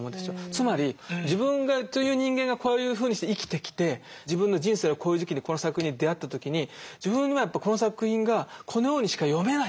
つまり自分という人間がこういうふうにして生きてきて自分の人生のこういう時期にこの作品に出会った時に自分はやっぱりこの作品がこのようにしか読めない。